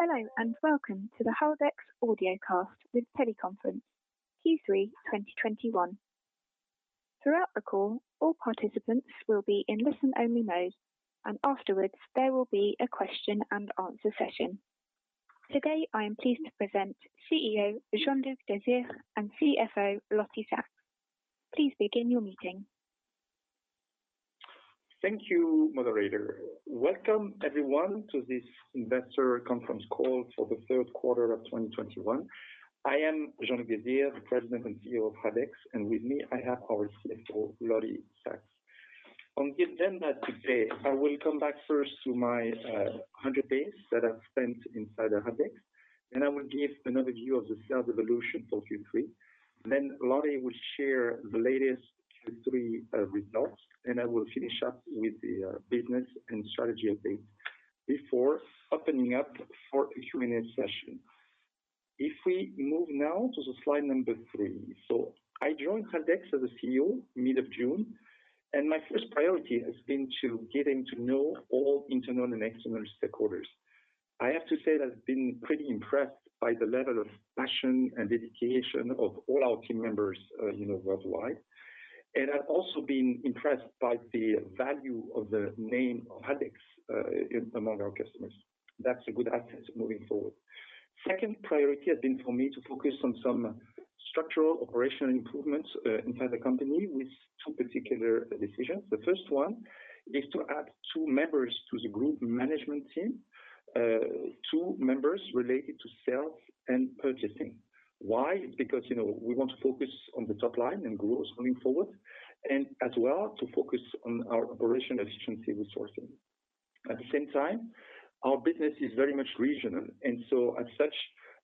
Hello, Welcome to the Haldex Audiocast with Teleconference Q3 2021. Throughout the call, all participants will be in listen-only mode, and afterwards, there will be a question and answer session. Today, I am pleased to present CEO, Jean-Luc Desire and CFO, Lottie Saks. Please begin your meeting. Thank you, moderator. Welcome everyone to this investor conference call for the third quarter of 2021. I am Jean-Luc Desire, the President and CEO of Haldex. With me, I have our CFO, Lottie Saks. On the agenda today, I will come back first to my 100 days that I've spent inside Haldex. I will give an overview of the sales evolution for Q3. Lottie will share the latest Q3 results. I will finish up with the business and strategy update before opening up for a Q&A session. If we move now to the slide number three. I joined Haldex as a CEO mid of June. My first priority has been to getting to know all internal and external stakeholders. I have to say that I've been pretty impressed by the level of passion and dedication of all our team members worldwide. I've also been impressed by the value of the name of Haldex among our customers. That's a good asset moving forward. Second priority has been for me to focus on some structural operational improvements inside the company with two particular decisions. The first one is to add two members to the group management team, two members related to sales and purchasing. Why? Because we want to focus on the top line and growth moving forward, as well, to focus on our operational efficiency resourcing. At the same time, our business is very much regional. As such,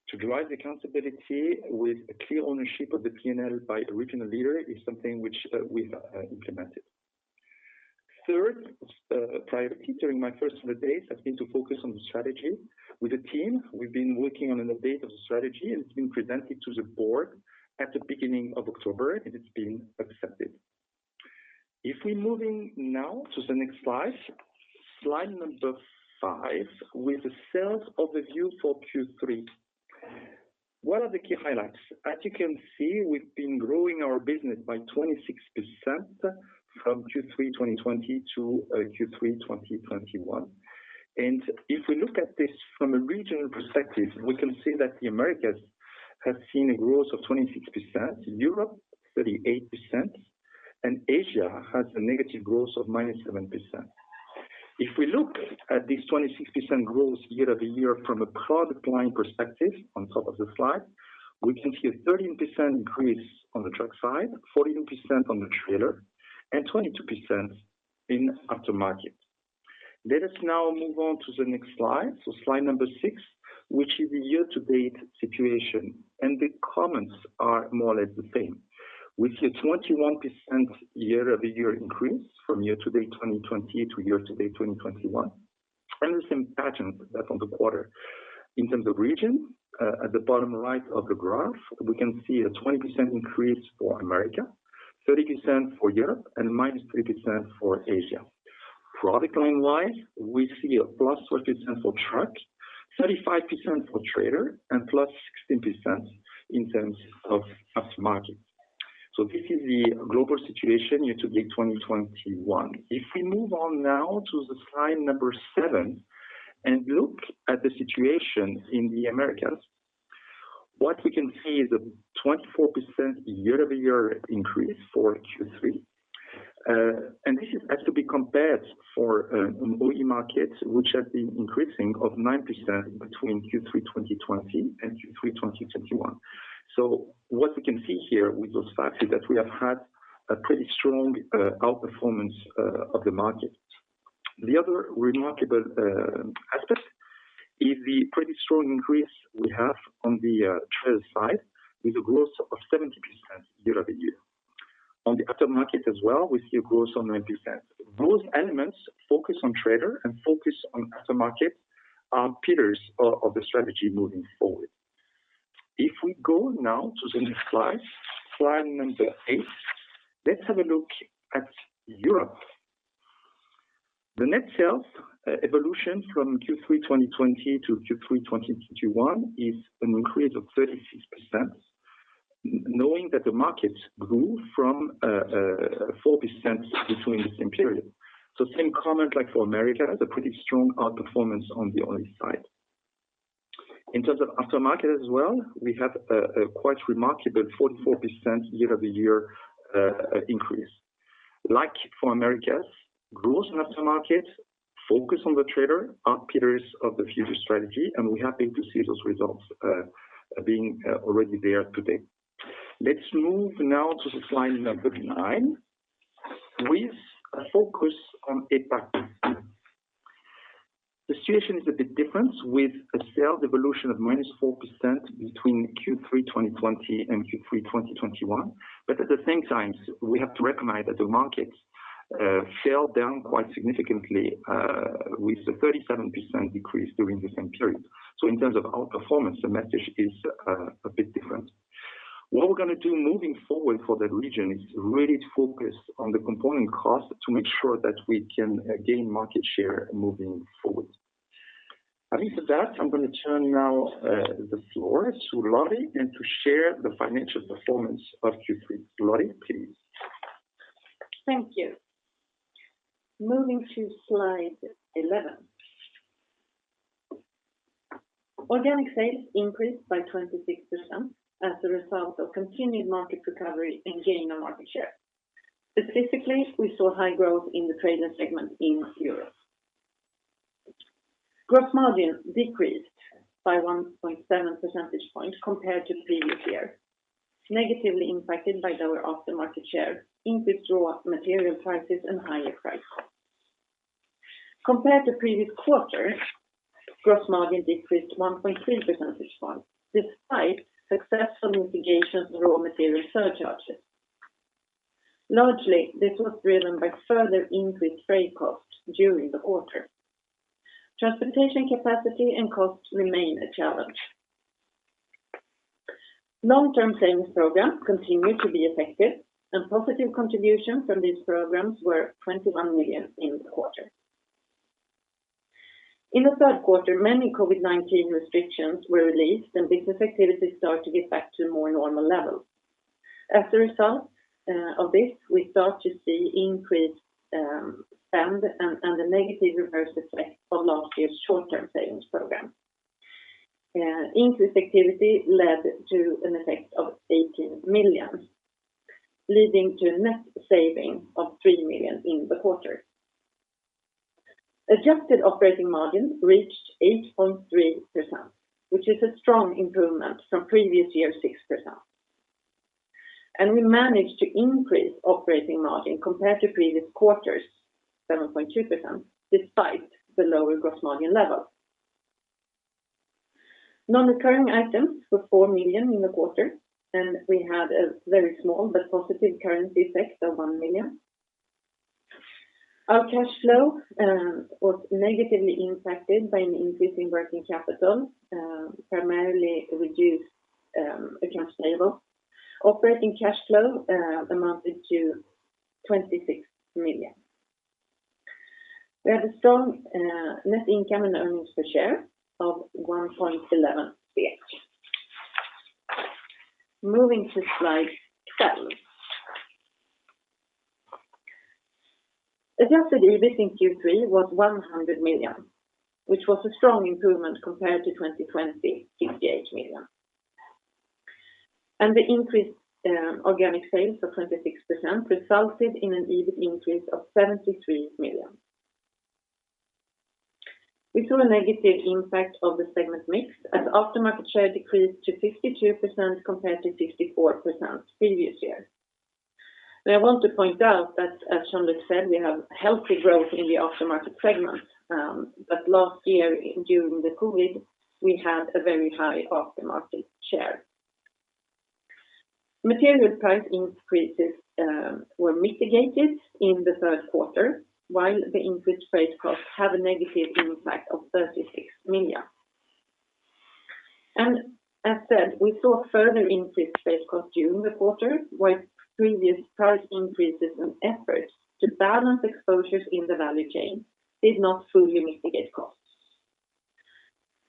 to drive accountability with a clear ownership of the P&L by a regional leader is something which we've implemented. Third priority during my first 100 days has been to focus on the strategy with the team. We've been working on an update of the strategy, and it's been presented to the board at the beginning of October, and it's been accepted. If we're moving now to the next slide five, with the sales overview for Q3. What are the key highlights? As you can see, we've been growing our business by 26% from Q3 2020-Q3 2021. If we look at this from a regional perspective, we can see that the Americas has seen a growth of 26%, Europe 38%, and Asia has a negative growth of -7%. If we look at this 26% growth year-over-year from a product line perspective on top of the slide, we can see a 13% increase on the truck side, 14% on the trailer, and 22% in aftermarket. Let us now move on to the next slide, so slide six, which is the year-to-date situation. The comments are more or less the same. We see a 21% year-over-year increase from year-to-date 2020 to year-to-date 2021, and the same pattern that on the quarter. In terms of region, at the bottom right of the graph, we can see a 20% increase for America, 30% for Europe, and -3% for Asia. Product line-wise, we see a +40% for truck, 35% for trailer, and +16% in terms of aftermarket. This is the global situation year-to-date 2021. If we move on now to slide seven and look at the situation in the Americas, what we can see is a 24% year-over-year increase for Q3. This has to be compared for an OE market, which has been increasing of 9% between Q3 2020 and Q3 2021. What we can see here with those facts is that we have had a pretty strong outperformance of the market. The other remarkable aspect is the pretty strong increase we have on the trailer side, with a growth of 70% year-over-year. On the aftermarket as well, we see a growth of 90%. Those elements focus on trailer and focus on aftermarket are pillars of the strategy moving forward. If we go now to the next slide number eight, let's have a look at Europe. The net sales evolution from Q3 2020-Q3 2021 is an increase of 36%, knowing that the market grew from 4% between the same period. Same comment like for America, the pretty strong outperformance on the OE side. In terms of aftermarket as well, we have a quite remarkable 44% year-over-year increase. Like for Americas, growth in aftermarket focus on the trailer are pillars of the future strategy, and we are happy to see those results being already there today. Let's move now to the slide number nine with a focus on APAC. The situation is a bit different with a sales evolution of -4% between Q3 2020 and Q3 2021. At the same time, we have to recognize that the market fell down quite significantly, with a 37% decrease during the same period. In terms of outperformance, the message is a bit different. What we're going to do moving forward for that region is really focus on the component cost to make sure that we can gain market share moving forward. Having said that, I'm going to turn now the floor to Lottie, and to share the financial performance of Q3. Lottie, please. Thank you. Moving to slide 11. Organic sales increased by 26% as a result of continued market recovery and gain on market share. Specifically, we saw high growth in the trailer segment in Europe. Gross margin decreased by 1.7 percentage points compared to previous year, negatively impacted by lower aftermarket share, increased raw material prices, and higher price costs. Compared to previous quarter, gross margin decreased 1.3 percentage points, despite successful mitigations raw material surcharges. Largely, this was driven by further increased freight costs during the quarter. Transportation capacity and costs remain a challenge. Long-term savings program continue to be effective, and positive contributions from these programs were 21 million in the quarter. In the third quarter, many COVID-19 restrictions were released and business activities start to get back to a more normal level. As a result of this, we start to see increased spend and a negative reverse effect of last year's short-term savings program. Increased activity led to an effect of 18 million, leading to a net saving of 3 million in the quarter. Adjusted operating margin reached 8.3%, which is a strong improvement from previous year's 6%. We managed to increase operating margin compared to previous quarter's 7.2%, despite the lower gross margin level. Non-recurring items were 4 million in the quarter, and we had a very small but positive currency effect of 1 million. Our cash flow was negatively impacted by an increase in working capital, primarily reduced accounts payable. Operating cash flow amounted to 26 million. We had a strong net income and earnings per share of 1.11. Moving to slide 12. Adjusted EBIT in Q3 was 100 million, which was a strong improvement compared to 2020, 68 million. The increased organic sales of 26% resulted in an EBIT increase of 73 million. We saw a negative impact of the segment mix as aftermarket share decreased to 52% compared to 54% previous year. I want to point out that as Jean-Luc said, we have healthy growth in the aftermarket segment. Last year during the COVID, we had a very high aftermarket share. Material price increases were mitigated in the third quarter, while the increased freight costs have a negative impact of 36 million. As said, we saw a further increase freight cost during the quarter, while previous price increases and efforts to balance exposures in the value chain did not fully mitigate costs.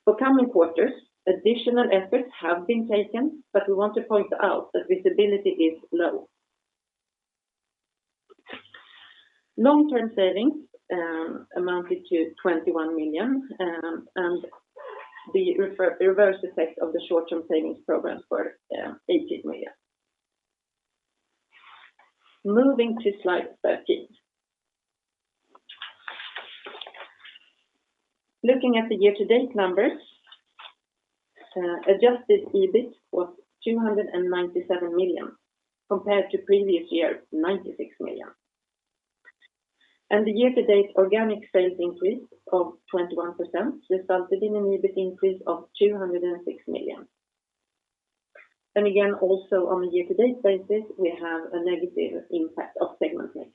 For coming quarters, additional efforts have been taken, but we want to point out that visibility is low. Long-term savings amounted to 21 million, and the reverse effect of the short-term savings programs were SEK 18 million. Moving to slide 13. Looking at the year-to-date numbers, adjusted EBIT was 297 million compared to previous year, 96 million. The year-to-date organic sales increase of 21% resulted in an EBIT increase of 206 million. Again, also on a year-to-date basis, we have a negative impact of segment mix.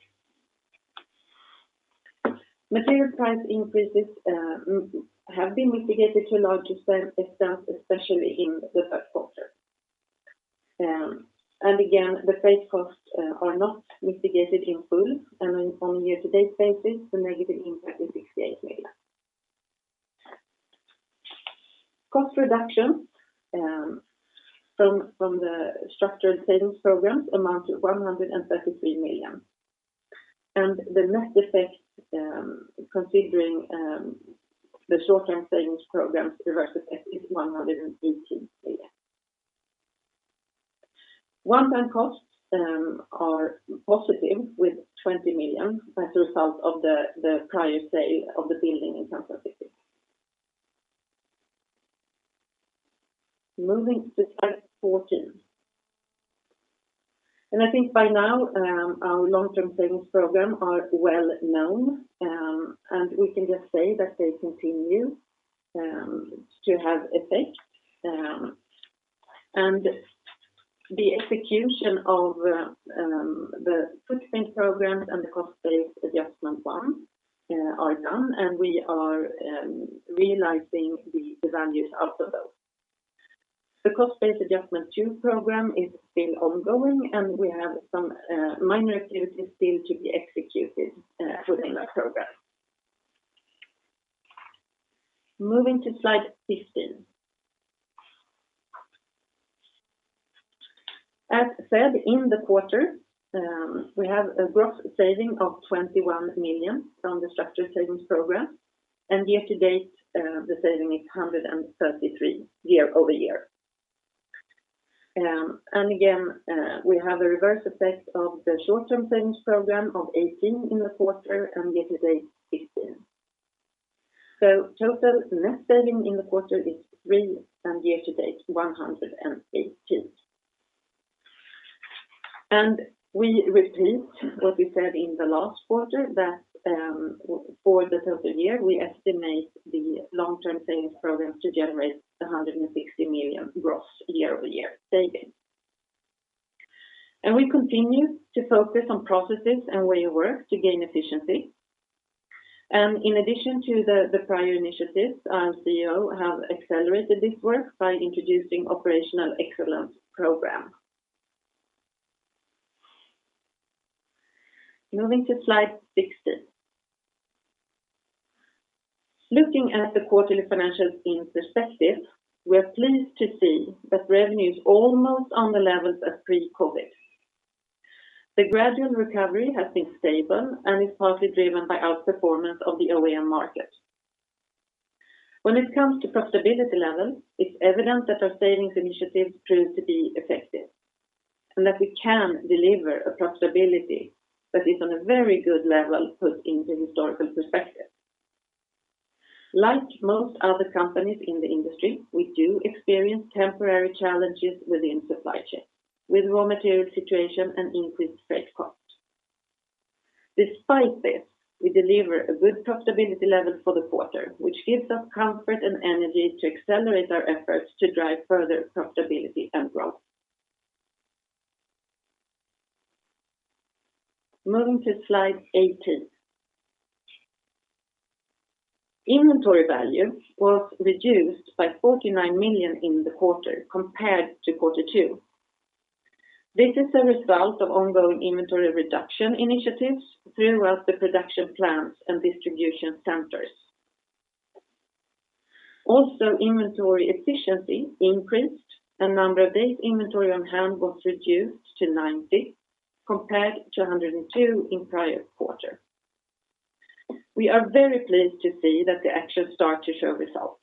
Material price increases have been mitigated to a large extent, especially in the third quarter. Again, the freight costs are not mitigated in full, and on a year-to-date basis, the negative impact is 68 million. Cost reduction from the structural savings programs amount to 133 million. The net effect considering the short-term savings programs reverse effect is SEK 118 million. One-time costs are positive with 20 million as a result of the prior sale of the building in San Francisco. Moving to slide 14. I think by now our Long-Term Savings Program are well known, and we can just say that they continue to have effect. The execution of the Footprint Programs and the Cost Base Adjustment One are done, and we are realizing the values out of those. The Cost-Based Adjustment 2 Program is still ongoing, and we have some minor activities still to be executed within that program. Moving to slide 15. As said, in the quarter, we have a gross saving of 21 million from the Structured Savings Program, and year-to-date, the saving is 133 million year-over-year. Again, we have a reverse effect of the Short-Term Savings Program of 18 million in the quarter and year-to-date, 15 million. Total net saving in the quarter is 3 million, and year-to-date, 118 million. We repeat what we said in the last quarter, that for the total year, we estimate the long-term savings program to generate 160 million gross year-over-year savings. We continue to focus on processes and way of work to gain efficiency. In addition to the prior initiatives, our CEO have accelerated this work by introducing operational excellence program. Moving to slide 16. Looking at the quarterly financials in perspective, we are pleased to see that revenues almost on the levels of pre-COVID. The gradual recovery has been stable and is partly driven by outperformance of the OEM market. When it comes to profitability level, it's evident that our savings initiatives prove to be effective, and that we can deliver a profitability that is on a very good level put into historical perspective. Like most other companies in the industry, we do experience temporary challenges within supply chain, with raw material situation and increased freight cost. Despite this, we deliver a good profitability level for the quarter, which gives us comfort and energy to accelerate our efforts to drive further profitability and growth. Moving to slide 18. Inventory value was reduced by 49 million in the quarter compared to quarter two. This is a result of ongoing inventory reduction initiatives throughout the production plants and distribution centers. Also, inventory efficiency increased, and number of days inventory on hand was reduced to 90 compared to 102 in prior quarter. We are very pleased to see that the actions start to show results.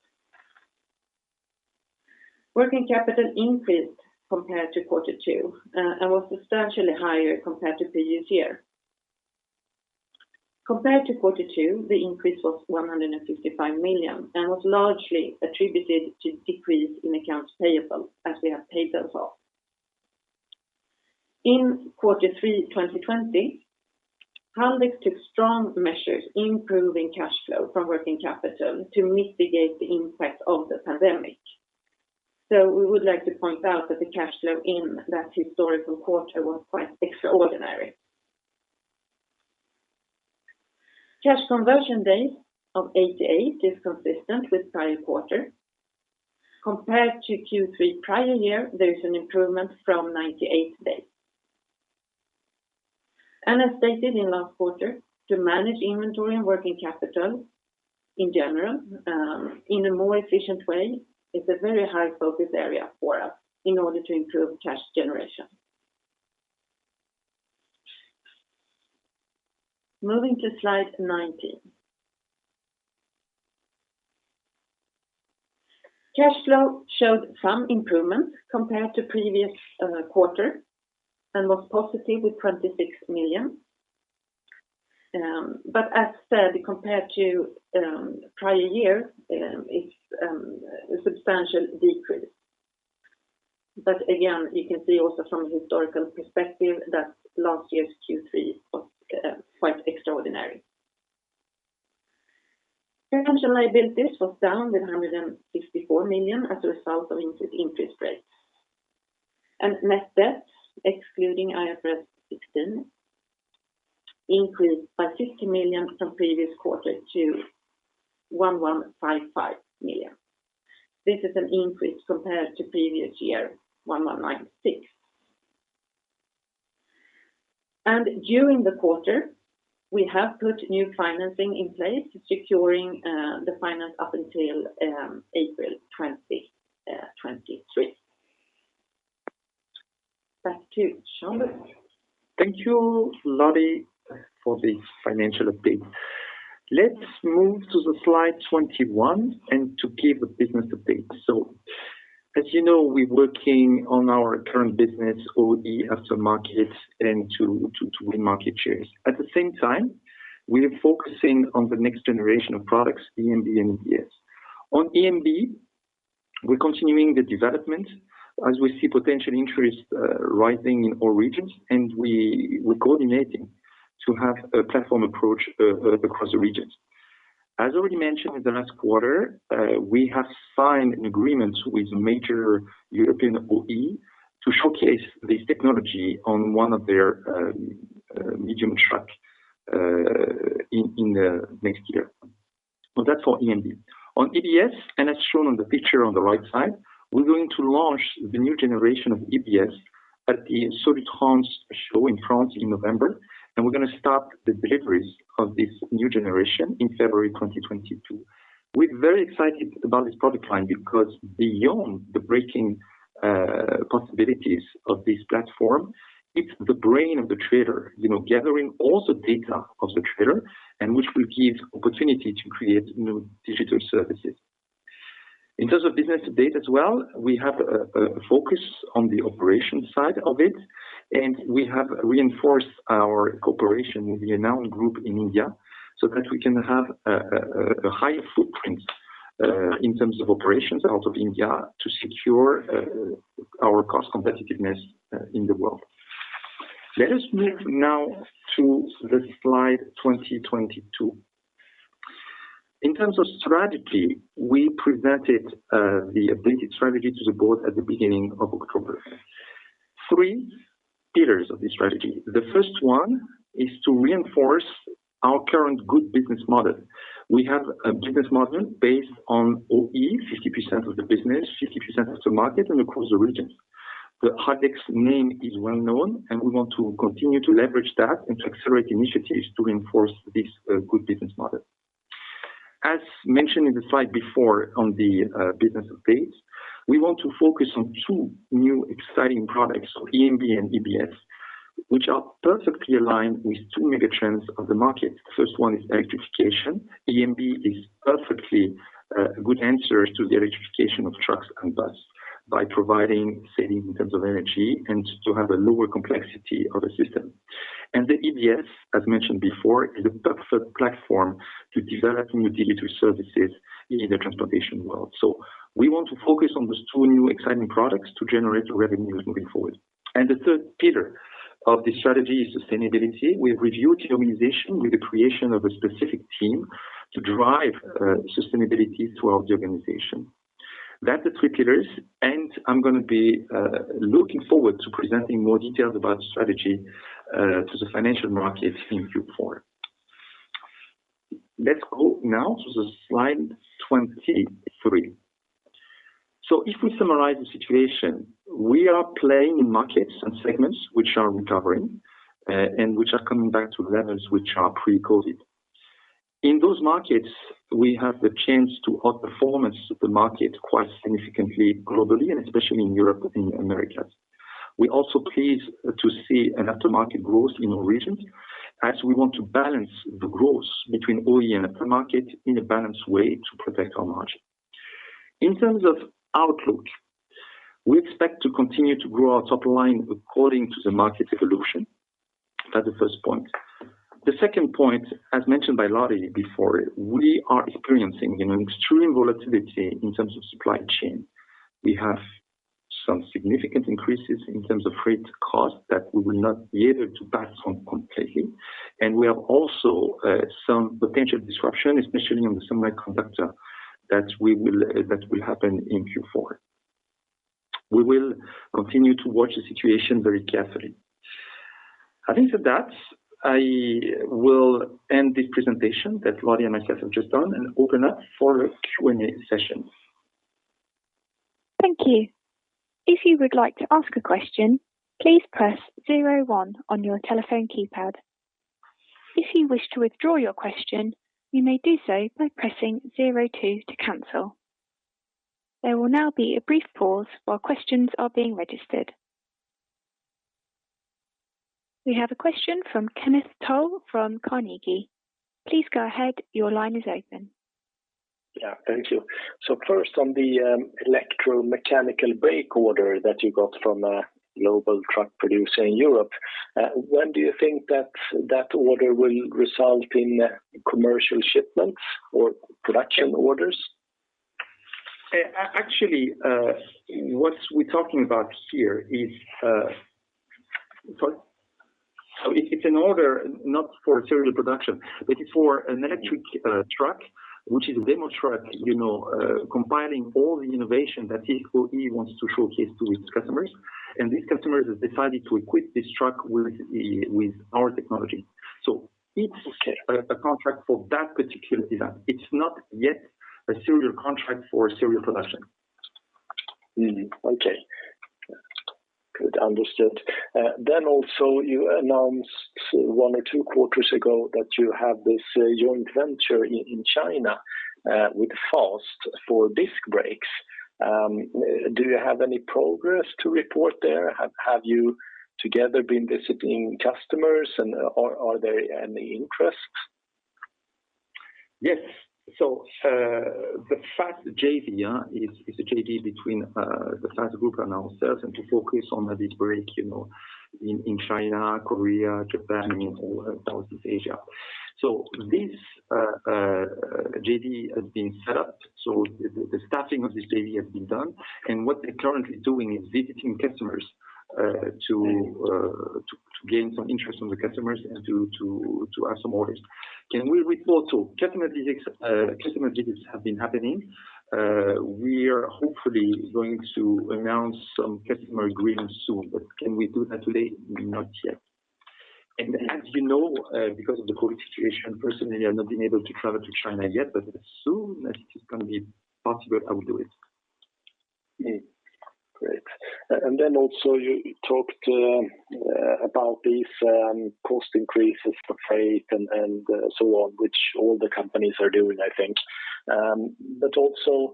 Working capital increased compared to quarter two, and was substantially higher compared to previous year. Compared to quarter two, the increase was 155 million and was largely attributed to decrease in accounts payable as we have paid those off. In Q3 2020, Haldex took strong measures improving cash flow from working capital to mitigate the impact of the pandemic. We would like to point out that the cash flow in that historical quarter was quite extraordinary. Cash conversion days of 88 is consistent with prior quarter. Compared to Q3 prior year, there is an improvement from 98 days. As stated in last quarter, to manage inventory and working capital in general, in a more efficient way is a very high focus area for us in order to improve cash generation. Moving to slide 19. Cash flow showed some improvement compared to previous quarter and was positive with 26 million. As said, compared to prior year, it's a substantial decrease. Again, you can see also from historical perspective that last year's Q3 was quite extraordinary. Financial liabilities was down 164 million as a result of increased interest rates. Net debt, excluding IFRS 16, increased by 50 million from previous quarter to 1,155 million. This is an increase compared to previous year, 1,196. During the quarter, we have put new financing in place, securing the finance up until April 2023. Back to you, Jean-Luc. Thank you, Lottie, for the financial update. Let's move to the slide 21 and to give a business update. As you know, we're working on our current business, OE, aftermarket, and to win market shares. At the same time, we are focusing on the next generation of products, EMB and EBS. On EMB, we're continuing the development as we see potential interest rising in all regions, and we're coordinating to have a platform approach across the regions. As already mentioned in the last quarter, we have signed an agreement with major European OE to showcase this technology on one of their medium truck in the next year. That's for EMB. On EBS, and as shown on the picture on the right side, we're going to launch the new generation of EBS at the Solutrans show in France in November, and we're going to start the deliveries of this new generation in February 2022. We're very excited about this product line because beyond the breaking possibilities of this platform, it's the brain of the trailer, gathering all the data of the trailer and which will give opportunity to create new digital services. In terms of business to date as well, we have a focus on the operation side of it, and we have reinforced our cooperation with the ANAND Group in India, so that we can have a higher footprint in terms of operations out of India to secure our cost competitiveness in the world. Let us move now to the slide 2022. In terms of strategy, we presented the updated strategy to the board at the beginning of October. Three pillars of this strategy. The first one is to reinforce our current good business model. We have a business model based on OE, 50% of the business, 50% of the market and across the regions. The Haldex name is well-known, and we want to continue to leverage that and to accelerate initiatives to reinforce this good business model. As mentioned in the slide before on the business updates, we want to focus on two new exciting products, EMB and EBS, which are perfectly aligned with two mega trends of the market. The first one is electrification. EMB is perfectly a good answer to the electrification of trucks and bus by providing savings in terms of energy and to have a lower complexity of the system. The EBS, as mentioned before, is a perfect platform to develop new digital services in the transportation world. We want to focus on those two new exciting products to generate revenues moving forward. The third pillar of this strategy is sustainability. We've reviewed the organization with the creation of a specific team to drive sustainability throughout the organization. That's the three pillars, and I'm going to be looking forward to presenting more details about strategy to the financial market in Q4. Let's go now to slide 23. If we summarize the situation, we are playing in markets and segments which are recovering, and which are coming back to levels which are pre-COVID. In those markets, we have the chance to outperformance the market quite significantly globally, and especially in Europe and the Americas. We're also pleased to see an aftermarket growth in all regions, as we want to balance the growth between OE and aftermarket in a balanced way to protect our margin. In terms of outlook, we expect to continue to grow our top line according to the market evolution. That's the first point. The second point, as mentioned by Lottie before, we are experiencing an extreme volatility in terms of supply chain. We have some significant increases in terms of freight cost that we will not be able to pass on completely. We have also some potential disruption, especially on the semiconductor, that will happen in Q4. We will continue to watch the situation very carefully. Having said that, I will end this presentation that Lottie and myself have just done and open up for a Q&A session. Thank you. If you would like to ask a question, please press zero one on your telephone keypad. If you wish to withdraw your question, you may do so by pressing zero two to cancel. There will now be a brief pause while questions are being registered. We have a question from Kenneth Toll from Carnegie. Please go ahead. Your line is open. Yeah, thank you. First on the Electromechanical Brake order that you got from a global truck producer in Europe, when do you think that order will result in commercial shipments or production orders? Actually, what we're talking about here is Sorry. It's an order, not for serial production, but it's for an electric truck, which is a demo truck, compiling all the innovation that this OE wants to showcase to its customers. These customers have decided to equip this truck with our technology. It's a contract for that particular design. It's not yet a serial contract for a serial production. Okay. Good. Understood. Also you announced one or two quarters ago that you have this joint venture in China, with Fast for disc brakes. Do you have any progress to report there? Have you together been visiting customers and are there any interests? Yes. The Fast JV is a JV between the Fast Group and ourselves and to focus on the disc brake in China, Korea, Japan, in all of Southeast Asia. This JV has been set up. The staffing of this JV has been done. What they're currently doing is visiting customers to gain some interest from the customers and to have some orders. Can we report to customer visits have been happening? We are hopefully going to announce some customer agreements soon. Can we do that today? Not yet. As you know because of the COVID situation, personally, I've not been able to travel to China yet, but as soon as it is going to be possible, I will do it. Great. Then also you talked about these cost increases for freight and so on, which all the companies are doing, I think. Also,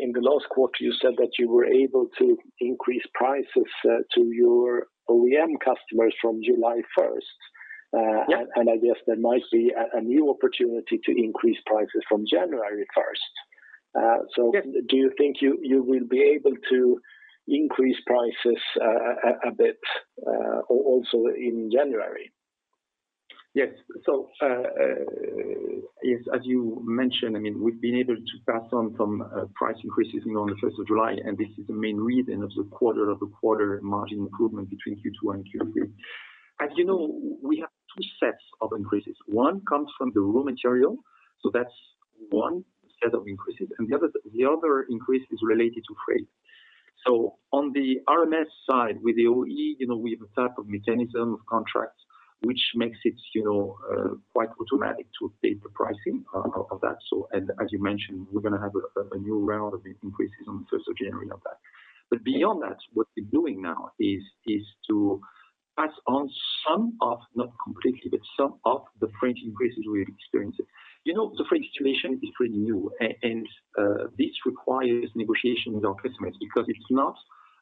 in the last quarter, you said that you were able to increase prices to your OEM customers from July 1st. Yeah. I guess there might be a new opportunity to increase prices from January 1st. Yes. Do you think you will be able to increase prices a bit also in January? Yes. As you mentioned, we've been able to pass on some price increases on the 1st of July, and this is the main reason of the quarter-over-quarter margin improvement between Q2 and Q3. As you know, we have two sets of increases. One comes from the raw material, so that's one set of increases, and the other increase is related to freight. On the RMS side, with the OE, we have a type of mechanism of contracts, which makes it quite automatic to update the pricing of that. As you mentioned, we're going to have a new round of increases on the 1st of January of that. Beyond that, what we're doing now is to pass on some of, not completely, but some of the freight increases we're experiencing. The freight situation is really new and this requires negotiation with our customers because it's not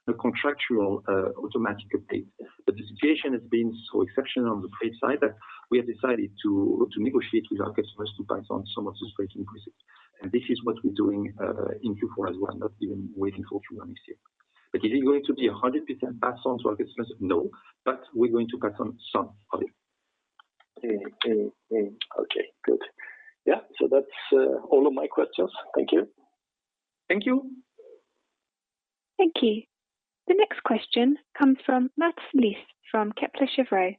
a contractual automatic update. The situation has been so exceptional on the freight side that we have decided to negotiate with our customers to pass on some of those freight increases. This is what we're doing in Q4 as well, not even waiting for Q1 next year. Is it going to be 100% passed on to our customers? No, but we're going to pass on some of it. Okay, good. Yeah, that's all of my questions. Thank you. Thank you. Thank you. The next question comes from Mats Malmquist from Kepler Cheuvreux.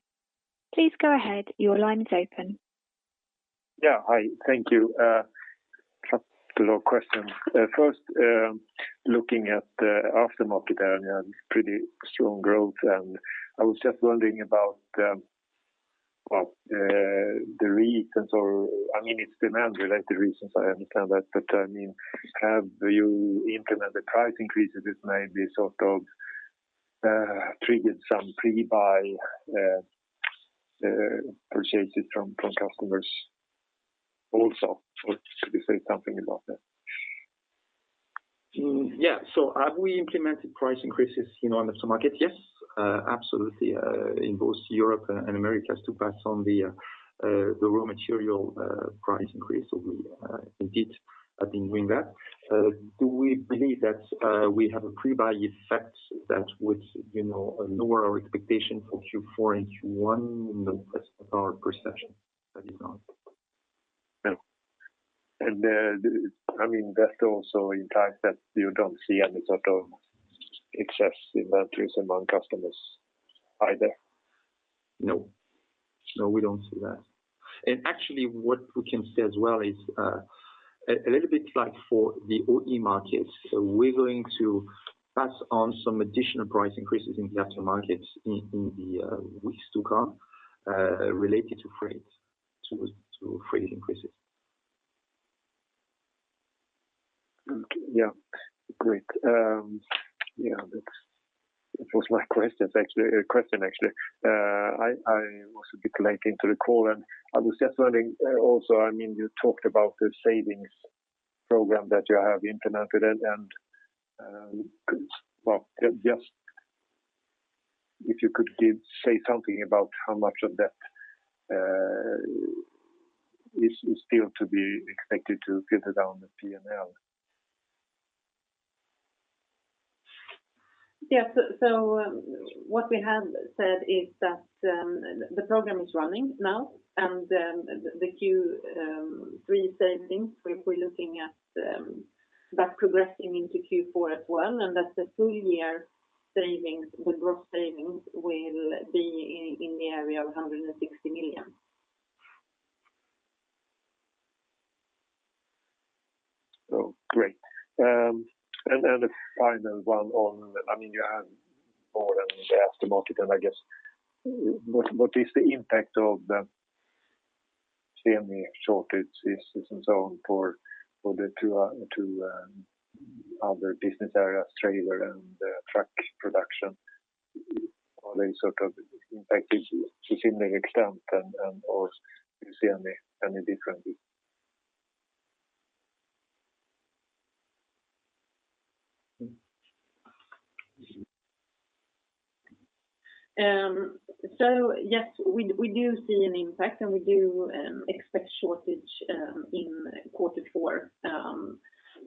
Please go ahead. Your line is open. Yeah. Hi, thank you. A couple of questions. First, looking at the aftermarket area, pretty strong growth. I was just wondering about the reasons, or it's demand related reasons, I understand that. Have you implemented price increases that maybe sort of triggered some pre-buy purchases from customers also? Could you say something about that? Yeah. Have we implemented price increases in the aftermarket? Yes, absolutely. In both Europe and Americas to pass on the raw material price increase. We indeed have been doing that. Do we believe that we have a pre-buy effect that would lower our expectation for Q4 and Q1? No, that's not our perception. That is not. No. That's also impact that you don't see any sort of excess inventories among customers either? No. No, we don't see that. Actually, what we can say as well is a little bit like for the OE markets, we're going to pass on some additional price increases in the aftermarket in the weeks to come related to freight increases. Okay. Yeah. Great. That was my question actually. I was a bit late into the call and I was just wondering also, you talked about the savings program that you have implemented and just if you could say something about how much of that is still to be expected to filter down the P&L? Yes. What we have said is that the program is running now, and the Q3 savings, we're looking at that progressing into Q4 as well, and that the full year savings, the gross savings, will be in the area of 160 million. Oh, great. The final one on, you have more than the aftermarket, and I guess what is the impact of the semi shortages and so on for the two other business areas, trailer and truck production? Are they sort of impacted to similar extent and, or do you see any differences? Yes, we do see an impact, and we do expect shortage in quarter four.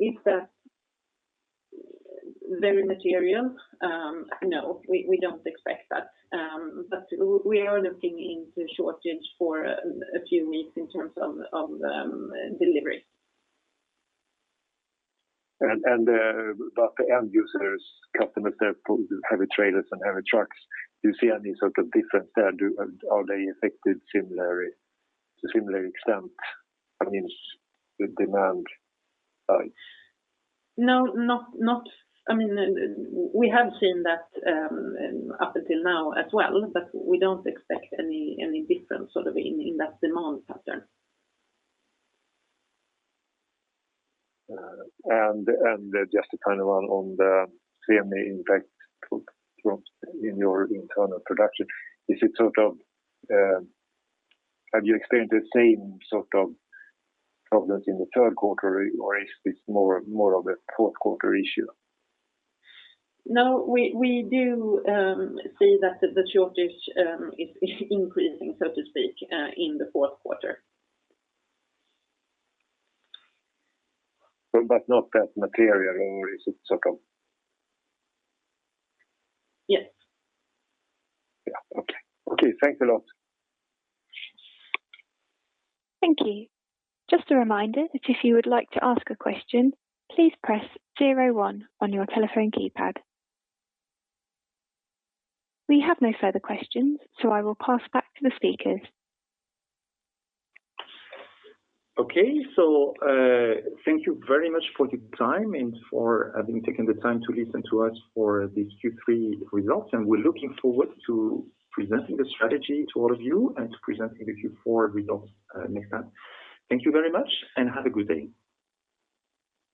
Is that very material? No, we don't expect that. We are looking into shortage for a few weeks in terms of delivery. About the end users, customers that pull heavy trailers and heavy trucks, do you see any sort of difference there? Are they affected to similar extent? The demand side. No. We have seen that up until now as well, but we don't expect any difference sort of in that demand pattern. Just a kind of one on the semi impact in your internal production. Have you experienced the same sort of problems in the third quarter, or is this more of a fourth quarter issue? No, we do see that the shortage is increasing, so to speak, in the fourth quarter. Not that material, or is it sort of? Yes. Yeah. Okay. Thanks a lot. Thank you. Just a reminder that if you would like to ask a question, please press zero one on your telephone keypad. We have no further questions, so I will pass back to the speakers. Okay. Thank you very much for the time and for having taken the time to listen to us for these Q3 results, and we're looking forward to presenting the strategy to all of you and to presenting the Q4 results next time. Thank you very much, and have a good day.